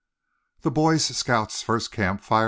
_The Boy Scouts' First Camp Fire.